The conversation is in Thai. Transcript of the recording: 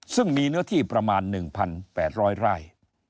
ซึ่งมีเนื้อที่ประมาณ๑๘๐๐ไร่